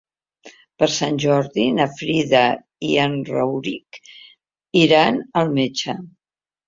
Per Sant Jordi na Frida i en Rauric iran al metge.